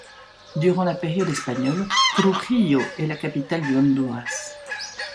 Durant la période espagnole, Trujillo est la capitale du Honduras.